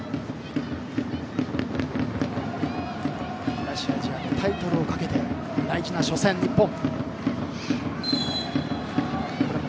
東アジアのタイトルをかけて大事な初戦、日本。